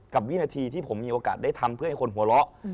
วินาทีที่ผมมีโอกาสได้ทำเพื่อให้คนหัวเราะ